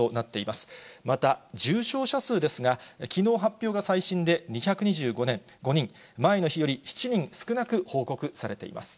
また、重症者数ですが、きのう発表が最新で２２５人、前の日より７人少なく報告されています。